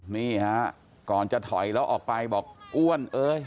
นี่ฮะก่อนจะถอยแล้วออกไปบอกอ้วนเอ้ย